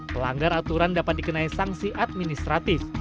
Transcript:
pelanggar aturan dapat dikenai sanksi administratif